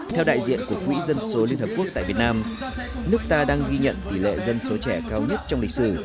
theo đại diện của quỹ dân số liên hợp quốc tại việt nam nước ta đang ghi nhận tỷ lệ dân số trẻ cao nhất trong lịch sử